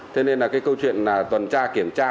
thế nên là cái câu chuyện tuần tra kiểm tra